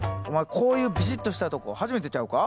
こういうビシッとしたとこ初めてちゃうか？